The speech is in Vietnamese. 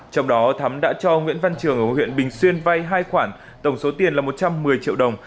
trong đó thắm đã cho nguyễn văn trường ở huyện bình xuyên vay hai khoản tổng số tiền là một trăm một mươi triệu đồng